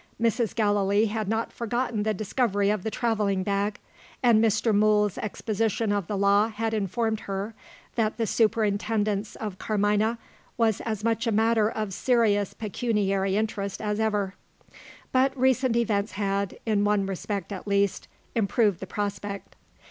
Mrs. Gallilee had not forgotten the discovery of the travelling bag; and Mr. Mool's exposition of the law had informed her, that the superintendence of Carmina was as much a matter of serious pecuniary interest as ever. But recent events had, in one respect at least, improved the prospect.